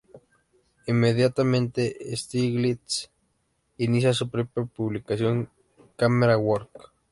Inmediatamente, Stieglitz inicia su propia publicación, Camera Work.